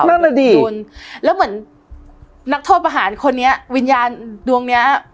นั่นแหละดิคุณแล้วเหมือนนักโทษประหารคนนี้วิญญาณดวงเนี้ย